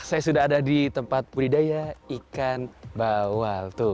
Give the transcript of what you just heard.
saya sudah ada di tempat budidaya ikan bawal